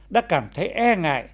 đã cảm thấy e ngại